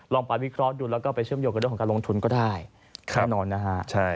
ลองไปวิเคราะห์ดูแล้วก็ไปเชื่อมโยงกับเรื่องของการลงทุนก็ได้แน่นอนนะฮะ